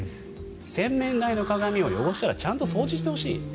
洗面台の鏡を汚したらちゃんと掃除をしてほしい。